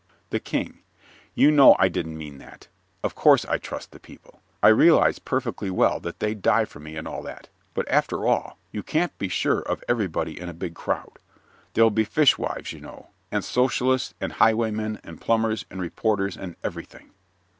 THE KING You know I didn't mean that. Of course I trust the people. I realize perfectly well that they'd die for me and all that, but, after all, you can't be sure of everybody in a big crowd. There'll be fishwives, you know, and Socialists and highwaymen and plumbers and reporters and everything.